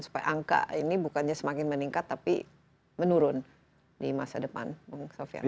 supaya angka ini bukannya semakin meningkat tapi menurun di masa depan bung sofian